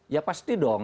ya pasti dong